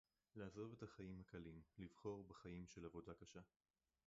לעזוב את החיים הקלים, לבחור בחיים של עבודה קשה